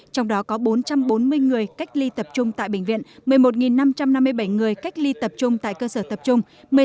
trong đó có bốn trăm bốn mươi người cách ly tập trung tại bệnh viện một mươi một năm trăm năm mươi bảy người cách ly tập trung tại cơ sở tập trung